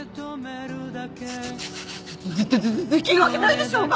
ででででででできるわけないでしょうが！